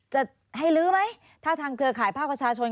จะให้ลื้อไหมถ้าทางเครือข่ายภาคประชาชน